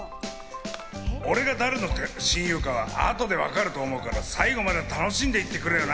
俺が誰の親友かは後でわかると思うから、最後まで楽しんでいってくれよな！